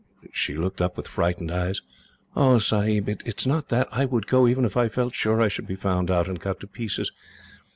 She looked up with frightened eyes. "Oh, Sahib, it is not that; I would go, even if I felt sure I should be found out and cut to pieces.